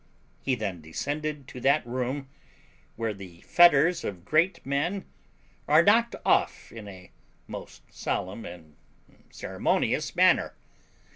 He then descended to that room where the fetters of great men are knocked off in a most solemn and ceremonious manner.